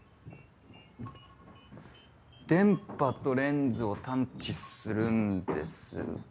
電波とレンズを探知するんですが。